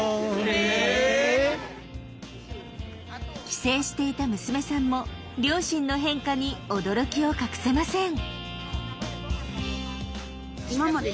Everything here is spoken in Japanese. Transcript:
帰省していた娘さんも両親の変化に驚きを隠せません。